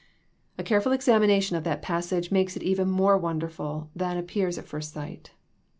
A careful examination of that passage makes it even more wonderful than ap pears at first sight.